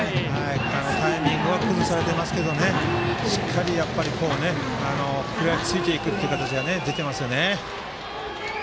タイミングを崩されてますけどしっかり食らいついていく形が出ていますね。